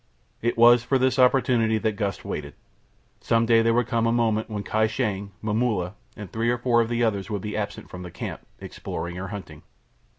It was for this opportunity that Gust waited. Some day there would come a moment when Kai Shang, Momulla, and three or four of the others would be absent from camp, exploring or hunting.